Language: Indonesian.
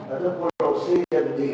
ada proses yang di